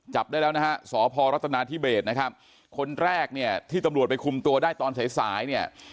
จับได้แล้วนะฮะสพรัฐนาธิเบสนะครับคนแรกเนี่ยที่ตำรวจไปคุมตัวได้ตอนสายสายเนี่ย